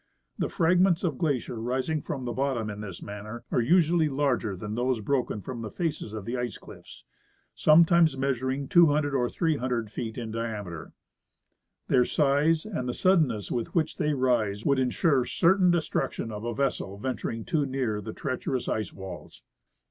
The fragments of the glacier rising from the bottom in this manner are usually larger than those brokeii from the faces of the ice cliffs, sometimes measuring 200 or 300 feet in diameter. Their size and the sud denness with which they rise would insure certain destruction of a vessel venturing too near the treacherous ice walls.